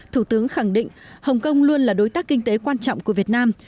thủ tướng khẳng định hồng kông luôn là đối tác kinh tế quan trọng của việt nam